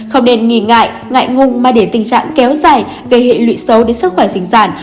không nên nghi ngại ngại ngùng mà để tình trạng kéo dài gây hệ lụy xấu đến sức khỏe sinh sản